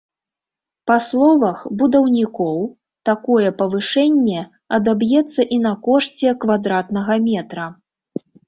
Па словах будаўнікоў, такое павышэнне адаб'ецца і на кошце квадратнага метра.